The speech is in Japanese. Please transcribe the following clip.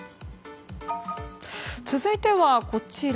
続いては、こちら。